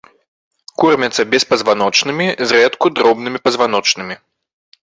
Кормяцца беспазваночнымі, зрэдку дробнымі пазваночнымі.